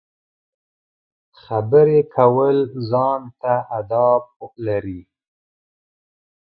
خبرې کول ځان ته اداب لري.